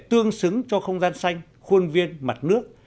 tương xứng cho không gian xanh khuôn viên mặt nước